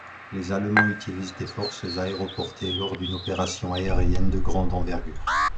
Les Allemands utilisent des forces aéroportées lors d'une opération aérienne de grande envergure.